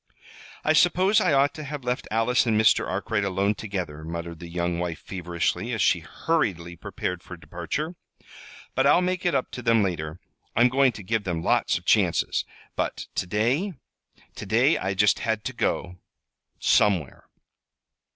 "I suppose I ought to have left Alice and Mr. Arkwright alone together," muttered the young wife feverishly, as she hurriedly prepared for departure. "But I'll make it up to them later. I'm going to give them lots of chances. But to day to day I just had to go somewhere!"